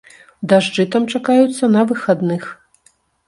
Дажджы там чакаюцца на выхадных.